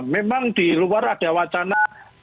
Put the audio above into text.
memang di luar ada wacana